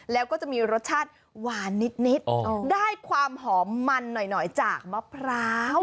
แล้วก็จะมีรสชาติหวานนิดได้ความหอมมันหน่อยจากมะพร้าว